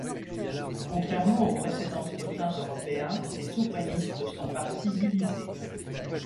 Contrairement aux précédents scrutins européens, les souverainistes sont partis divisés.